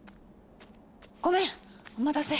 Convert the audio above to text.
ごめんお待たせ！